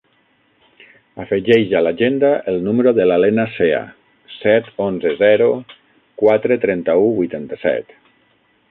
Afegeix a l'agenda el número de la Lena Cea: set, onze, zero, quatre, trenta-u, vuitanta-set.